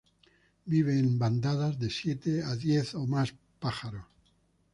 Vive en bandadas de siete a diez o más pájaros.